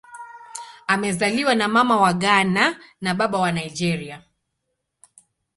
Amezaliwa na Mama wa Ghana na Baba wa Nigeria.